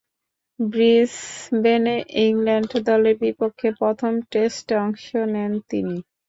ব্রিসবেনে England দলের বিপক্ষে প্রথম টেস্টে অংশ নেন তিনি।